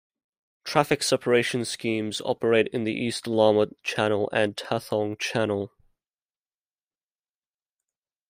Traffic Separation Schemes operate in the East Lamma Channel and Tathong Channel.